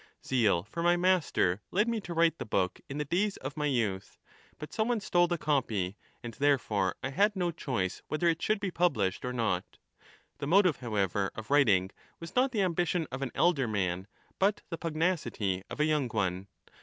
Zeal for my master led me to write the book in the days of my youth, but some one stole the copy ; and therefore I had no choice whether it should be published or not; the motive, however, of writing, was not the ambition of an elder man, but the pugnacity of a young one.